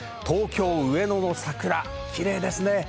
東京・上野の桜、綺麗ですね。